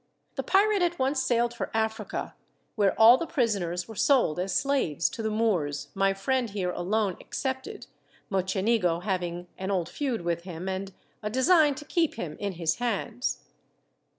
The pirate at once sailed for Africa, where all the prisoners were sold as slaves to the Moors, my friend here alone excepted, Mocenigo having an old feud with him, and a design to keep him in his hands.